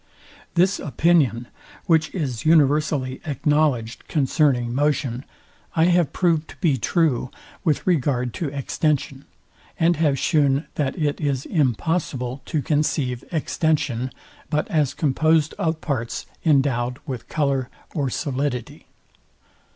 This opinion, which is universally acknowledged concerning motion, I have proved to be true with regard to extension; and have shewn that it is impossible to conceive extension, but as composed of parts, endowed with colour or solidity.